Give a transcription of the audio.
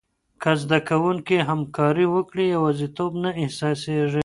که زده کوونکي همکاري وکړي، یوازیتوب نه احساسېږي.